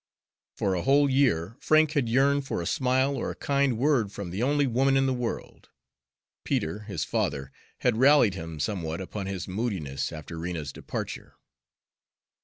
For a whole year Frank had yearned for a smile or a kind word from the only woman in the world. Peter, his father, had rallied him somewhat upon his moodiness after Rena's departure.